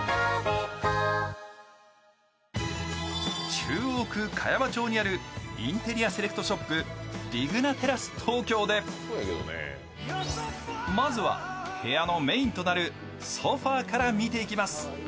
中央区茅場町にある、インテリアセレクトショップ・リグナテラス東京でまずは部屋のメインとなるソファーから見ていきます。